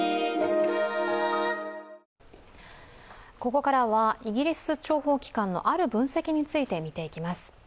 ここからはイギリス諜報機関のある分析について見ていきます。